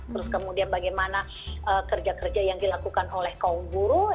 terus kemudian bagaimana kerja kerja yang dilakukan oleh kaum buruh